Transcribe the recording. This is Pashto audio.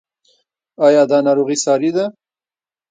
ایا دا ناروغي ساري ده؟